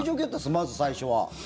まず最初は。